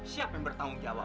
siapa yang bertanggung jawab